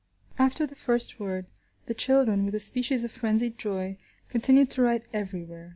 After the first word, the children, with a species of frenzied joy, continued to write everywhere.